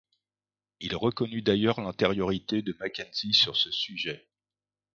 Il reconnut d'ailleurs l'antériorité de Mackenzie sur ce sujet.